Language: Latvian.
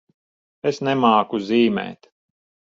Es nemāku zīmēt.